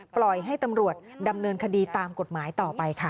ปล่อยให้ตำรวจดำเนินคดีตามกฎหมายต่อไปค่ะ